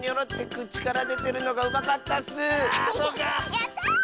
やった！